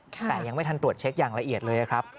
แต่ยังไม่ทันตรวจเช็คอย่างละเอียดเลยครับ